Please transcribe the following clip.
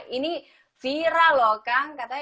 ini viral loh kang